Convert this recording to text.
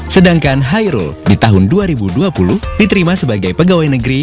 sedangkan hairul di tahun dua ribu dua puluh diterima sebagai pegawai negeri